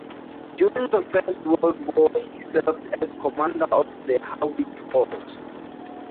During the First World War he served as commander of the Harwich Force.